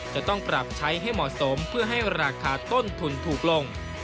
จะต้องปรับใช้ให้เหมาะสมเพื่อให้ราคาต้นทุนถูกลง